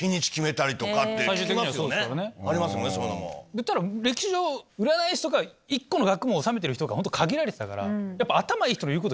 言ったら歴史上占い師とか１個の学問修めてる人がホント限られてたからやっぱ。